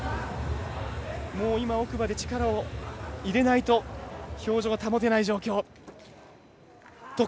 もう今、奥歯で力を入れないと表情が保てない状況。